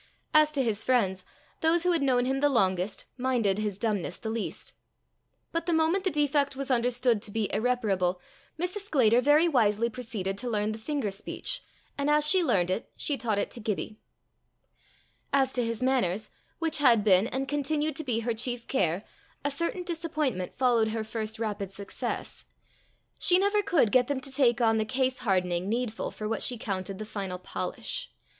As to his friends, those who had known him the longest minded his dumbness the least. But the moment the defect was understood to be irreparable, Mrs. Sclater very wisely proceeded to learn the finger speech; and as she learned it, she taught it to Gibbie. As to his manners, which had been and continued to be her chief care, a certain disappointment followed her first rapid success: she never could get them to take on the case hardening needful for what she counted the final polish.